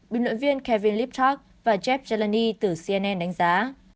bình luận viên kevin liptock và jeff zeleny từ cnn đánh giá